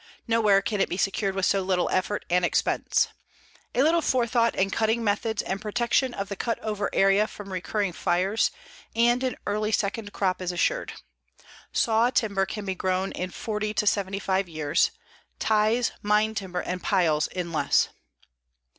Nowhere can it be secured with so little effort and expense. A little forethought in cutting methods and protection of the cut over area from recurring fires, and an early second crop is assured. Saw timber can be grown in forty to seventy five years; ties, mine timber and piles in less.